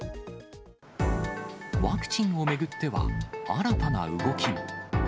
ワクチンを巡っては、新たな動きも。